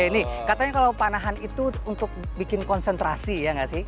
ini katanya kalau panahan itu untuk bikin konsentrasi ya nggak sih